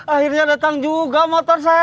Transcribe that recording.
akhirnya datang juga motor saya